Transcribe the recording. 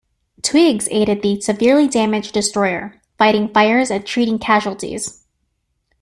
"Twiggs" aided the severely damaged destroyer, fighting fires and treating casualties.